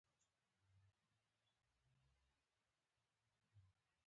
ما ساقي ته وویل دننه راشه او ویې نیوم.